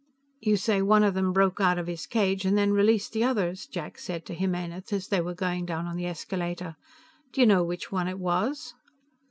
"You say one of them broke out of his cage and then released the others," Jack said to Jimenez as they were going down on the escalator. "Do you know which one it was?"